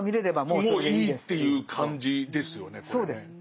もういいっていう感じですよねこれね。